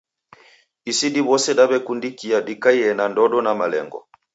Isi diw'ose daw'ekundika dikaiye na ndodo na malengo.